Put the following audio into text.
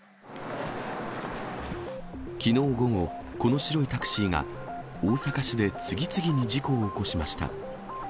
きのう午後、この白いタクシーが、大阪市で次々に事故を起こしました。